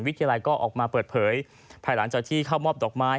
วิทยาลัยก็ออกมาเปิดเผยภายหลังจากที่เข้ามอบดอกไม้